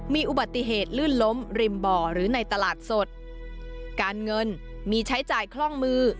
มีอุบัติเหตุลื่นล้มริมบ่อหรือในตลาดสดการเงินมีใช้จ่ายคล่องมือ